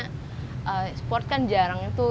karena sport kan jarang tuh